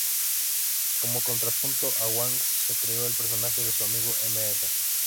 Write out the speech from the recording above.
Como contrapunto a Wang se creó el personaje de su amigo Mr.